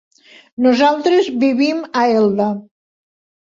Nosaltres vivim a Elda.